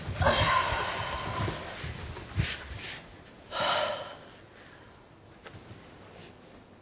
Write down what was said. はあ。